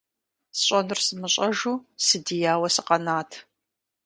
СщӀэнур сымыщӀэжу, сыдияуэ сыкъэнат.